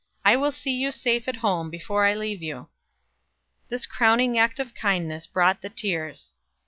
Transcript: I will see you safe at home before I leave you." This crowning act of kindness brought the tears.